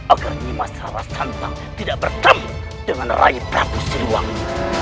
agar nimas harasantang tidak bertemu dengan rai prabu siliwangi